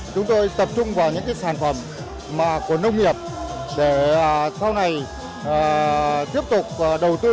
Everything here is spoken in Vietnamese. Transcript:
chúng tôi tập trung vào những sản phẩm của nông nghiệp để sau này tiếp tục đầu tư